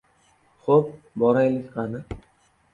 — Xo‘p, boraylik qani.